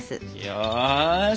よし。